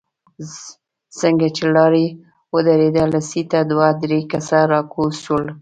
څنګه چې لارۍ ودرېده له سيټه دوه درې کسه راکوز شول.